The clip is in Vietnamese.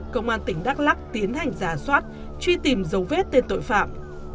công an tỉnh đắk lắc tiến hành giả soát truy tìm dấu vết tên tội phạm